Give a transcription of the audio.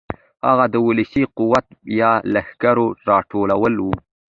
هغه د ولسي قوت یا لښکرو راټولول و.